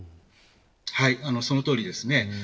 そのとおりですね。